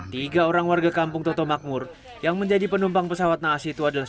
tiga orang warga kampung toto makmur yang menjadi penumpang pesawat naas itu adalah